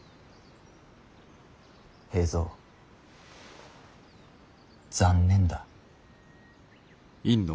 平三残念だ。